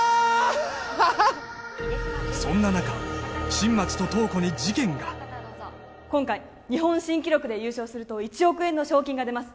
ハハッそんな中新町と塔子に事件が今回日本新記録で優勝すると１億円の賞金が出ます